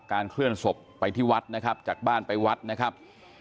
เคลื่อนศพไปที่วัดนะครับจากบ้านไปวัดนะครับ